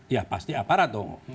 ya pasti aparat dong